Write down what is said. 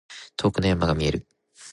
遠くの山が見える。